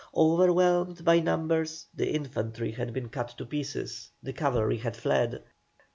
Overwhelmed by numbers the infantry had been cut to pieces, the cavalry had fled.